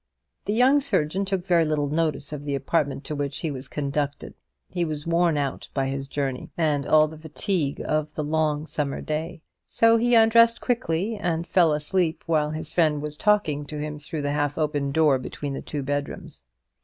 The young surgeon took very little notice of the apartment to which he was conducted. He was worn out by his journey, and all the fatigue of the long summer day; so he undressed quickly, and fell asleep while his friend was talking to him through the half open door between the two bedrooms.